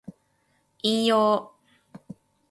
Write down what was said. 引用